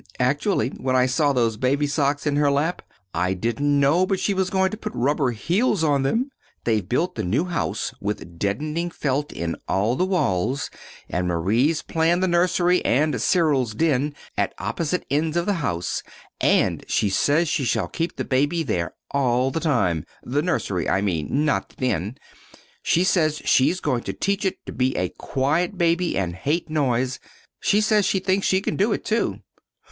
Actually, when I saw those baby's socks in her lap, I didn't know but she was going to put rubber heels on them! They've built the new house with deadening felt in all the walls, and Marie's planned the nursery and Cyril's den at opposite ends of the house; and she says she shall keep the baby there all the time the nursery, I mean, not the den. She says she's going to teach it to be a quiet baby and hate noise. She says she thinks she can do it, too."